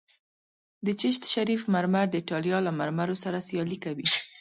د چشت شریف مرمر د ایټالیا له مرمرو سره سیالي کوي